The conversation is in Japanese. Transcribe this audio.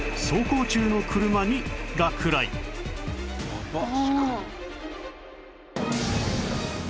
やばっ。